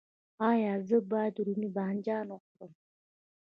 ایا زه باید رومی بانجان وخورم؟